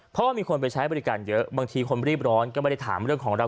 เพราะว่ามีคนไปใช้บริการเยอะบางทีคนรีบร้อนก็ไม่ได้ถามเรื่องของเรา